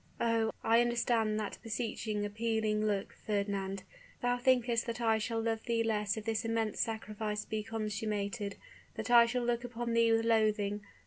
Oh! I understand that beseeching, appealing look, Fernand: thou thinkest that I shall love thee less if this immense sacrifice be consummated, that I shall look upon thee with loathing.